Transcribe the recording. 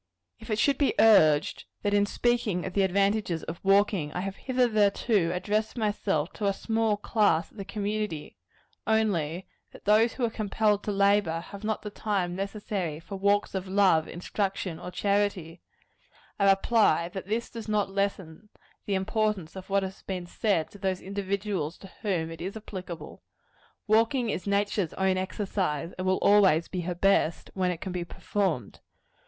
If it should be urged, that in speaking of the advantages of walking, I have hitherto addressed myself to a small class of the community, only that those who are compelled to labor, have not the time necessary for walks of love, instruction or charity I reply, that this does not lessen the importance of what has been said to those individuals to whom it is applicable. Walking is nature's own exercise; and will always be her best, when it can be performed.